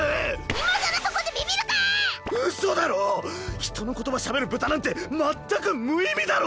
今更そこでビビるか⁉うそだろ⁉人の言葉しゃべる豚なんて全く無意味だろ！